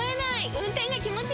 運転が気持ちいい！